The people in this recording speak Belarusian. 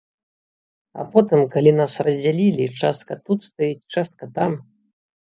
А потым калі нас раздзялілі, частка тут стаіць, частка там.